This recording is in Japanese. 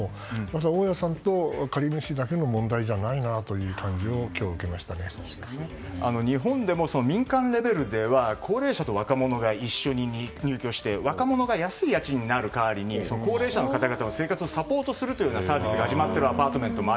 大家さんと借り主だけの問題じゃないなという日本でも民間レベルでは高齢者と若者が一緒に入居して若者が安い家賃になる代わりに高齢者の方々の生活をサポートするサービスが始まっているアパートメントも